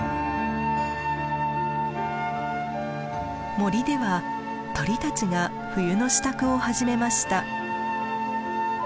森では鳥たちが冬の支度を始めました。